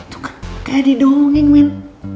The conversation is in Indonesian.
tuh kan kayak didongin men